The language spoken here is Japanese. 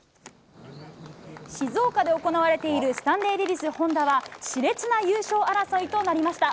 静岡で行われているスタンレーレディスホンダは、しれつな優勝争いとなりました。